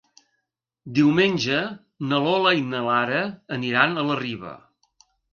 Diumenge na Lola i na Lara aniran a la Riba.